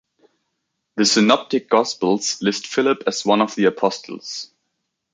The Synoptic Gospels list Philip as one of the apostles.